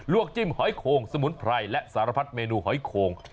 จิ้มหอยโขงสมุนไพรและสารพัดเมนูหอยโขง